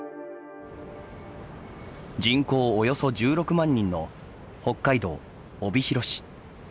人口およそ１６万人の北海道帯広市。